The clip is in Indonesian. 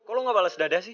kok lo gak bales dada sih